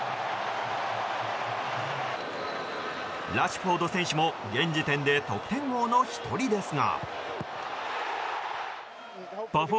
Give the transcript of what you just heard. ラッシュフォード選手も現時点で得点王の１人ですが。